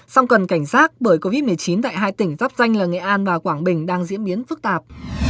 song cần cảnh giác bởi covid một mươi chín tại hai tỉnh giáp danh là nghệ an và quảng bình đang diễn biến phức tạp